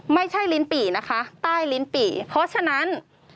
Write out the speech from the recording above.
ไม่ใช่ลิ้นปี่นะคะใต้ลิ้นปี่เพราะฉะนั้น